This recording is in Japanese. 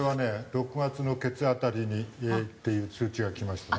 ６月のケツ辺りにっていう通知が来ましたね。